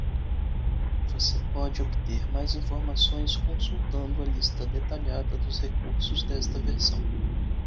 Você pode obter mais informações consultando a lista detalhada dos recursos desta versão.